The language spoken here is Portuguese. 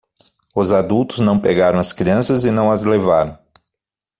Os adultos não pegaram as crianças e não as levaram